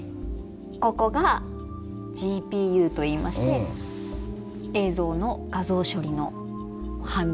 ここがＧＰＵといいまして映像の画像処理の半導体になります。